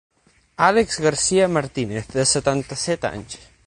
Alex Garcia Martínez, de setanta-set anys.